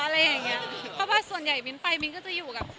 เพราะว่าส่วนใหญ่วินก็จะอยู่กับ